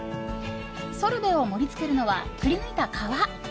ソルベを盛り付けるのはくりぬいた皮。